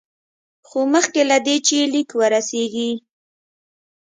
خو مخکې له دې چې لیک ورسیږي.